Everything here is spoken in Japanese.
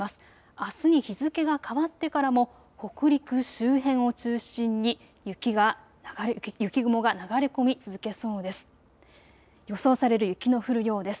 あすに日付が変わってからも北陸周辺を中心に雪雲が流れ込み続けそうです。